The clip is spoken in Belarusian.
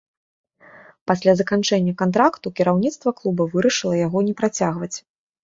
Пасля заканчэння кантракту, кіраўніцтва клуба вырашыла яго не працягваць.